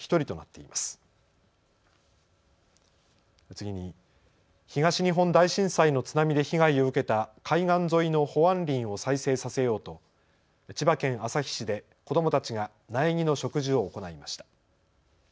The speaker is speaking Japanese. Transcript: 次に東日本大震災の津波で被害を受けた海岸沿いの保安林を再生させようと千葉県旭市で子どもたちが苗木の植樹を行いました。